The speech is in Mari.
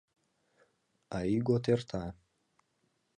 А ийгот эрта.